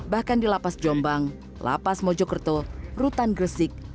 bahkan di lapas jombang lapas mojokerto rutan gresik